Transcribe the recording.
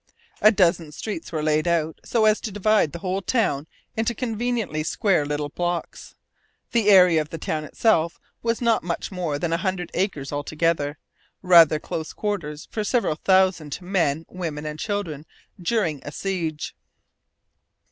A dozen streets were laid out, so as to divide the whole town into conveniently square little blocks. The area of the town itself was not much more than a hundred acres altogether rather close quarters for several thousand men, women, and children during a siege.